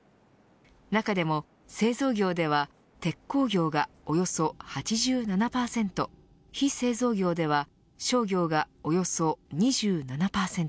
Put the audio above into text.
中でも製造業では鉄鋼業がおよそ８７％非製造業では商業がおよそ２７％